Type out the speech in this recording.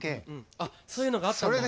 あっそういうのがあったんだ。